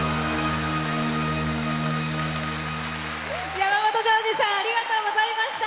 山本譲二さんありがとうございました。